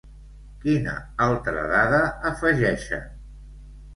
Quina altra dada afegeixen?